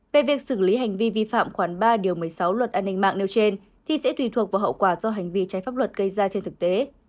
về việc xử lý hành vi vi phạm khoảng ba điều một mươi sáu luật an ninh mạng nêu trên thì sẽ tùy thuộc vào hậu quả do hành vi trái pháp luật gây ra trên thực tế